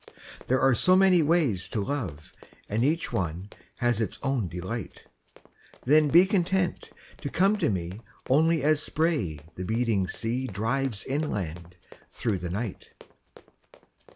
There are so many ways to love And each way has its own delight Then be content to come to me Only as spray the beating sea Drives inland through the night.